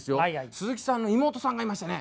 鈴木さんの妹さんがいましてね。